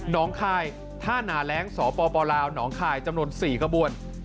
คายท่านาแร้งสปลาวหนองคายจำนวน๔ขบวน